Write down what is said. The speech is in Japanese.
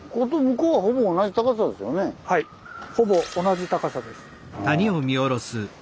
はいほぼ同じ高さです。